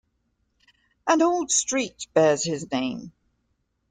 An old street bears his name.